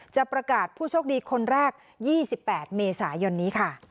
จะประกาศผู้โชคดีคนแรก๒๘เมษายนนี้ค่ะ